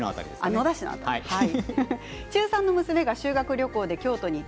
野田市の辺りですね。